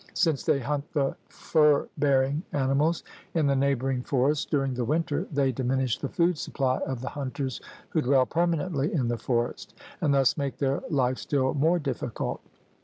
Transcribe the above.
Since they hunt the fur bearing animals in the neighboring forests during the winter, they diminish the food supply of the hunters who dwell permanently in the forest, and thus make their life still more diflBcult.